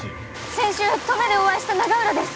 先週登米でお会いした永浦です。